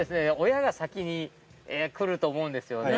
親が先に来ると思うんですよね